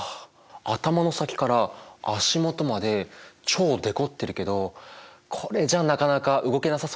頭の先から足元まで超デコってるけどこれじゃなかなか動けなさそうだよね。